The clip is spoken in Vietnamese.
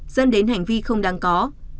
dân đến hành vi không đáng có